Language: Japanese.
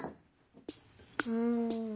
うん。